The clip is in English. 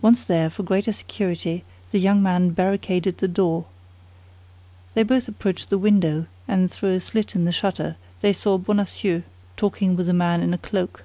Once there, for greater security, the young man barricaded the door. They both approached the window, and through a slit in the shutter they saw Bonacieux talking with a man in a cloak.